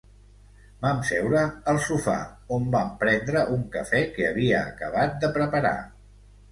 Vam seure al sofà on vam prendre un café que havia acabat de preparar.